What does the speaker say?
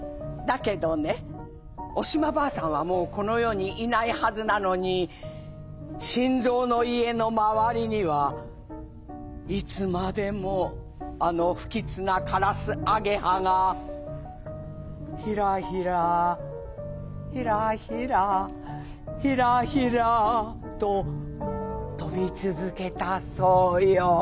だけどねお島婆さんはもうこの世にいないはずなのに新蔵の家の周りにはいつまでもあの不吉なカラスアゲハがひらひらひらひらひらひらと飛び続けたそうよ」。